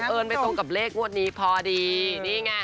เอิญไปตรงกับเลขงวดนี้พอดีนี่ไง